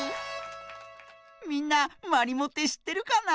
みんなまりもってしってるかな？